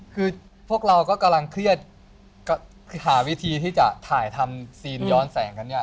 คือพวกเราก็กำลังเครียดหาวิธีที่จะถ่ายทำซีนย้อนแสงกันเนี่ย